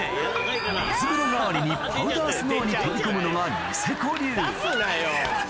水風呂代わりにパウダースノーに飛び込むのがニセコ流出すなよ。